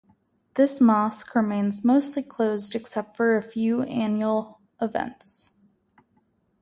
This mosque remains mostly closed except for a few annual events.